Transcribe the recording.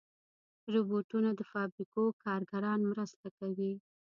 روبوټونه د فابریکو کارګران مرسته کوي.